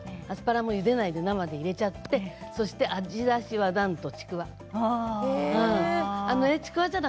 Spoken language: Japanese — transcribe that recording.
アスパラもゆでないで生で入れちゃって味だしはなんと、ちくわ。